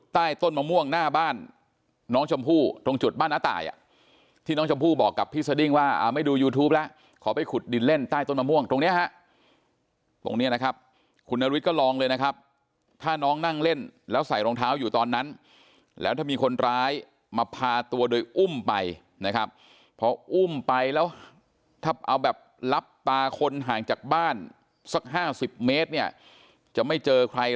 ใต้ต้นมะม่วงหน้าบ้านน้องชมพู่ตรงจุดบ้านน้าตายอ่ะที่น้องชมพู่บอกกับพี่สดิ้งว่าไม่ดูยูทูปแล้วขอไปขุดดินเล่นใต้ต้นมะม่วงตรงเนี้ยฮะตรงนี้นะครับคุณนฤทธิก็ลองเลยนะครับถ้าน้องนั่งเล่นแล้วใส่รองเท้าอยู่ตอนนั้นแล้วถ้ามีคนร้ายมาพาตัวโดยอุ้มไปนะครับพออุ้มไปแล้วถ้าเอาแบบรับตาคนห่างจากบ้านสัก๕๐เมตรเนี่ยจะไม่เจอใคร